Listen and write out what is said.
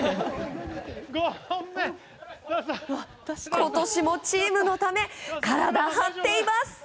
今年もチームのため体、張っています。